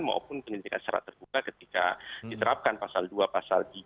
maupun penyelidikan secara terbuka ketika diterapkan pasal dua pasal tiga